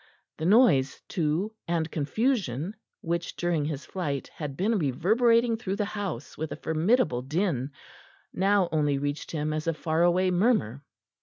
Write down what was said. The noise, too, and confusion which, during his flight, had been reverberating through the house with a formidable din, now only reached him as a far away murmur.